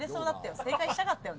正解したかったよね。